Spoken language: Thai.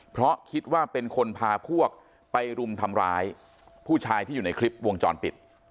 เพราะคิดว่าเป็นคนพาพวกไปรุมทำร้ายผู้ชายที่อยู่ในคลิปวงจรปิด